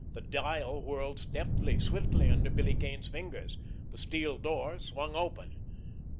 The dial whirled deftly, swiftly, under Billy Kane's fingers. The steel door swung open.